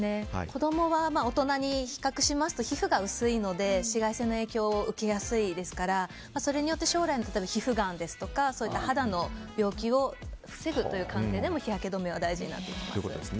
子供は大人に比較しますと皮膚が薄いので、紫外線の影響を受けやすいですからそれによって将来の皮膚がんですとか肌の病気を防ぐという観点でも日焼け止めは大事になってきます。